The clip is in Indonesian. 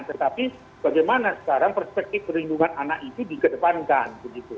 tetapi bagaimana sekarang perspektif perlindungan anak itu dikedepankan